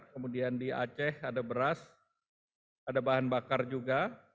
kemudian di aceh ada beras ada bahan bakar juga